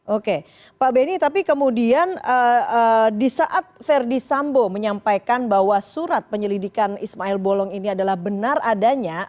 oke pak benny tapi kemudian di saat verdi sambo menyampaikan bahwa surat penyelidikan ismail bolong ini adalah benar adanya